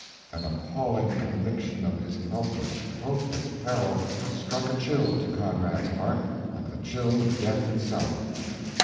An appalling conviction of his helpless, hopeless peril struck a chill to Conrad's heart like the chill of death itself.